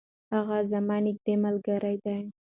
هغه زما نږدې ملګرې ده.